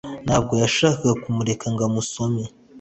Ntabwo yashakaga kumureka ngo amusome